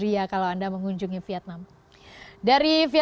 ria kalau anda mengunjungi